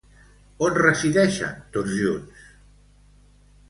On resideixen tots junts?